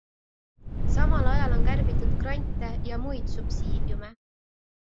Samal ajal on kärbitud grante ja muid subsiidiume.